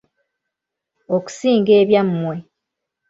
Okusinga ebyammwe.